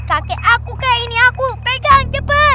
kakek aku kayak ini aku pegang jeber